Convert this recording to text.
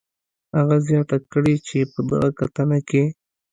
هغه زیاته کړې چې په دغه کتنه کې